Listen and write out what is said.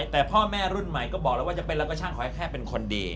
แต่แม่รุ่นใหม่ก็จะเป็นแล้วช่างขอยังแค่เป็นคนดี